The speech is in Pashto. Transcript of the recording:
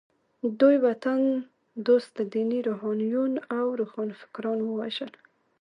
دوی وطن دوسته ديني روحانيون او روښانفکران ووژل.